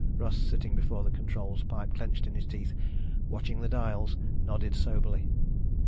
Russ, sitting before the controls, pipe clenched in his teeth, watching the dials, nodded soberly.